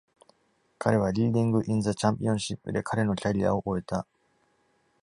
彼は Reading in the Championship で彼のキャリアを終えた。